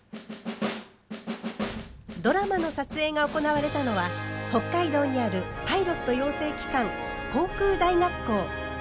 ドラマの撮影が行われたのは北海道にあるパイロット養成機関航空大学校。